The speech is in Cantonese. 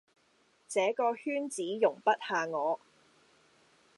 這個圈子容不下我